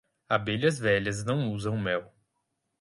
Abelhas velhas não usam mel.